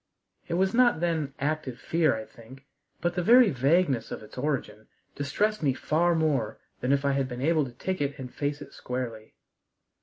It was not then active fear, I think, but the very vagueness of its origin distressed me far more than if I had been able to ticket and face it squarely.